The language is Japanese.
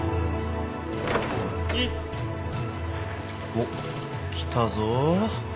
おっ来たぞ。